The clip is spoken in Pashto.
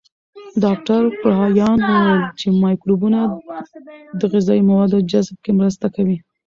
ډاکټر کرایان وویل چې مایکروبونه د غذایي موادو جذب کې مرسته کوي.